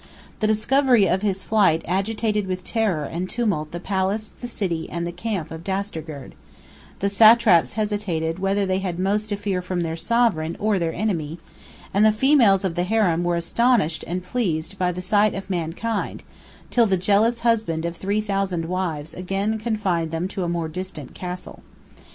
The discovery of his flight agitated with terror and tumult the palace, the city, and the camp of Dastagerd: the satraps hesitated whether they had most to fear from their sovereign or the enemy; and the females of the harem were astonished and pleased by the sight of mankind, till the jealous husband of three thousand wives again confined them to a more distant castle.